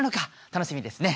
楽しみですね。